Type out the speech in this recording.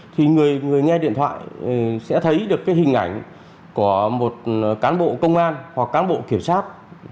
thì người nghe điện thoại sẽ thấy được cái hình ảnh của một cán bộ công an hoặc cán bộ kiểm soát